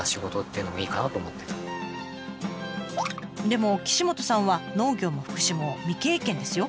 でも岸本さんは農業も福祉も未経験ですよ。